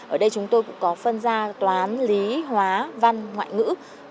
ở đây chúng tôi cũng có phân ra toán lý hóa văn ngoại ngữ